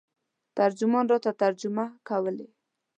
ترجمان راته ترجمه کولې.